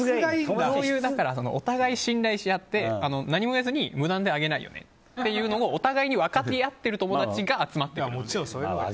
お互い信頼し合って何も言わずに無断で上げないよねっていうのがお互いに分かってやってる友達が集まってくるので。